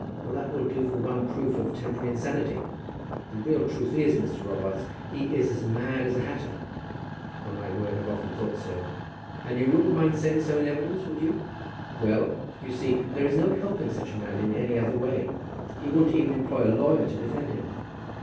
Well, that will do for one proof of temporary insanity. The real truth is, Mr. Robarts, he is as mad as a hatter." "Upon my word I've often thought so." "And you wouldn't mind saying so in evidence, would you? Well, you see, there is no helping such a man in any other way. He won't even employ a lawyer to defend him."